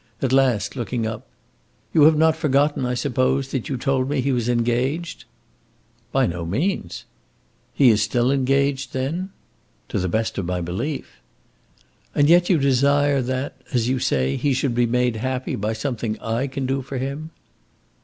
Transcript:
At last, looking up, "You have not forgotten, I suppose, that you told me he was engaged?" "By no means." "He is still engaged, then?" "To the best of my belief." "And yet you desire that, as you say, he should be made happy by something I can do for him?"